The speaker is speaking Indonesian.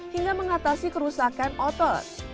hingga mengatasi kerusakan otot